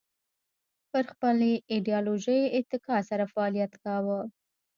پر خپلې ایدیالوژۍ اتکا سره فعالیت کاوه